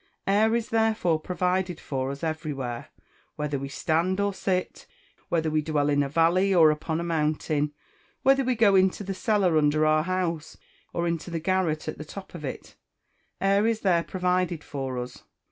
Air is therefore provided for us everywhere. Whether we stand or sit; whether we dwell in a valley or upon a mountain; whether we go into the cellar under our house, or into the garret at the top of it, air is there provided for us.